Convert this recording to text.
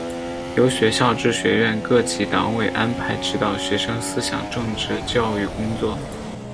由学校至学院各级党委安排指导学生思想政治教育工作。